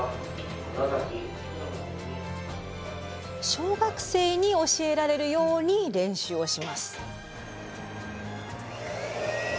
小学生に教えられるように練習をします。